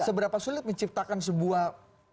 seberapa sulit menciptakan sebuah